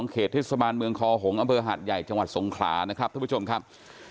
เขตเทศบาลเมืองคอหงษ์อำเภอหาดใหญ่จังหวัดสงขลานะครับทุกผู้ชมครับ